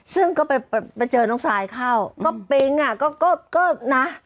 ซึ่งก็ไปเจอน้องไซด์เข้าก็ปิ๊งอ่ะ